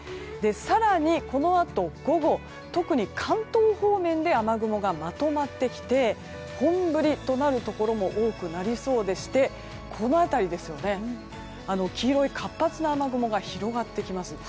更に、このあと午後特に関東方面で雨雲がまとまってきて本降りとなるところも多くなりそうでしてこの辺り、黄色い活発な雨雲が広がってきます。